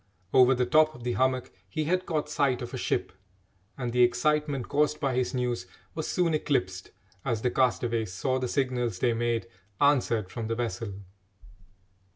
Over the top of the hummock he had caught sight of a ship, and the excitement caused by his news was soon eclipsed as the castaways saw the signals they made answered from the vessel.